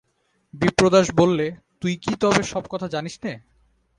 বিপ্রদাস বললে, তুই কি তবে সব কথা জানিস নে?